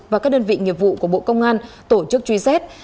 và các đơn vị nghiệp vụ của bộ công an tp hcm tổ chức truy xét